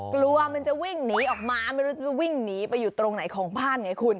กลัวมันจะวิ่งหนีออกมาไม่รู้จะวิ่งหนีไปอยู่ตรงไหนของบ้านไงคุณ